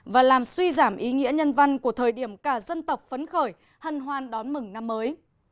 và làm suy giảm ý nghĩa nhân văn của thời điểm cả dân tộc phấn khởi hân hoan đón mừng năm mới